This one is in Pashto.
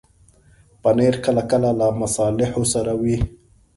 پنېر کله کله له مصالحو سره وي.